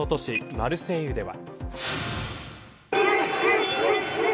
マルセイユでは。